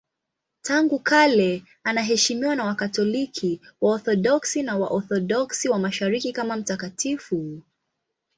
Tangu kale anaheshimiwa na Wakatoliki, Waorthodoksi na Waorthodoksi wa Mashariki kama mtakatifu.